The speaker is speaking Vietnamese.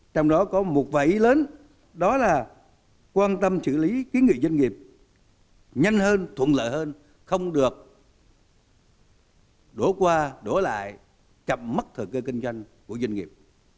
trong đó có một vài ý lớn đó là quan tâm xử lý kiến nghị doanh nghiệp nhanh hơn thuận lợi hơn không được đổ qua đổ lại chậm mất thời cơ kinh doanh của doanh nghiệp